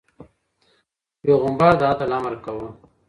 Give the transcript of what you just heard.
پيغمبر د عدل امر کاوه.